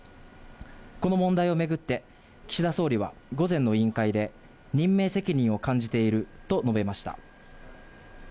この問題を巡って岸田総理は、午前の委員会で、任命責任を感じていると述べました。